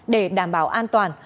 để đảm bảo an toàn